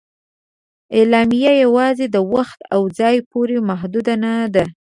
اعلامیه یواځې د وخت او ځای پورې محدود نه ده.